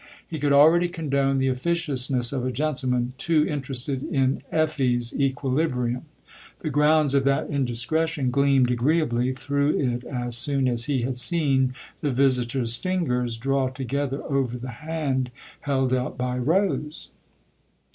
He could already condone the officiousness of a gentleman too inter ested in Effie's equilibrium : the grounds of that indiscretion gleamed agreeably through it as soon as he had seen the visitor's fingers draw together over the hand held out by Rose.